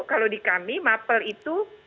kalau di kami mapel itu